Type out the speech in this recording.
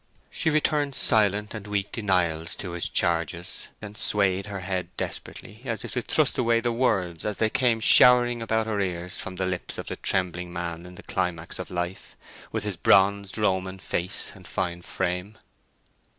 She returned silent and weak denials to his charges, and swayed her head desperately, as if to thrust away the words as they came showering about her ears from the lips of the trembling man in the climax of life, with his bronzed Roman face and fine frame.